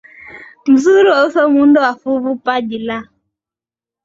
mzuri wa uso muundo wa fuvu paji la